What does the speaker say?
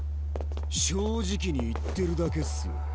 正直に言ってるだけっすよ。